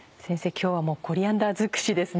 今日はコリアンダー尽くしですね。